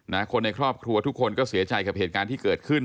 คนในครอบครัวทุกคนก็เสียใจกับเหตุการณ์ที่เกิดขึ้น